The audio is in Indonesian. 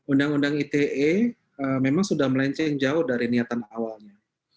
uu ite memang sudah melenceng jauh dari niatan awalnya